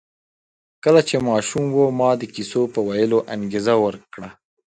کله چې ماشوم و ما د کیسو په ویلو انګېزه ورکړه